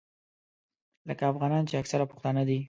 لکه افغانان چې اکثره پښتانه دي.